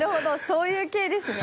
そういう系ですね。